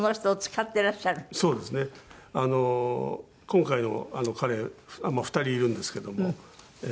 今回の彼２人いるんですけども。